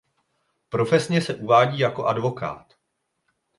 Profesně se uvádí jako advokát.